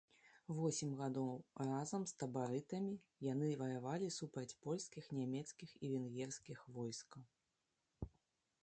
Восем гадоў разам з табарытамі яны ваявалі супраць польскіх, нямецкіх і венгерскіх войскаў.